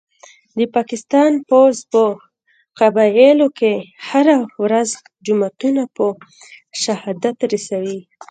د پاکستان پوځ په قبایلو کي هره ورځ جوماتونه په شهادت رسوي